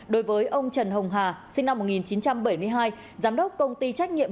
đối với ông trần hồng hà sinh năm một nghìn chín trăm bảy mươi hai giám đốc công ty trách nhiệm